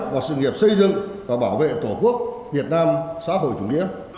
vào sự nghiệp xây dựng và bảo vệ tổ quốc việt nam xã hội chủ nghĩa